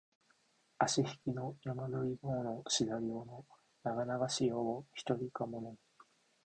あしひきの山鳥の尾のしだり尾のながながし夜をひとりかも寝む